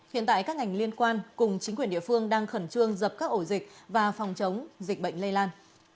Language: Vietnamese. hiện tại các ngành liên quan cùng chính quyền địa phương đang khẩn trương dập các ổ dịch và phòng chống dịch bệnh lây lan